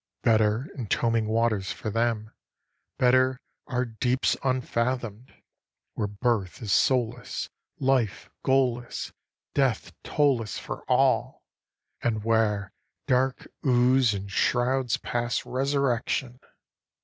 Better entombing waters for them, better our deeps unfathomed, Where birth is soulless, life goalless, death toll less for all, And where dark ooze enshrouds past resurrection!"